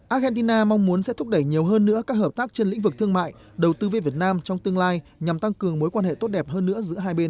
argentina mong muốn sẽ thúc đẩy nhiều hơn nữa các hợp tác trên lĩnh vực thương mại đầu tư với việt nam trong tương lai nhằm tăng cường mối quan hệ tốt đẹp hơn nữa giữa hai bên